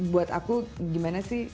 buat aku gimana sih